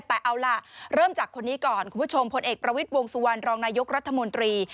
แต่เอาล่ะเริ่มจากคนนี้ก่อนคุณผู้ชมพลเอกประวิทย์วงสุวรรณรองนายกรัฐมนตรี